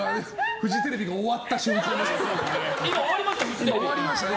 フジテレビが終わった瞬間ですね。